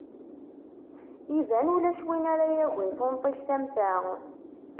Iban ulac win ara yagin tunṭict am ta!